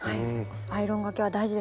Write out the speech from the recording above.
アイロンがけは大事ですね。